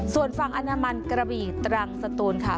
ส่วนฝั่งอนามันกระบี่ตรังสตูนค่ะ